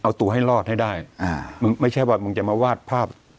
เอาตัวให้รอดให้ได้อ่ามึงไม่ใช่ว่ามึงจะมาวาดภาพ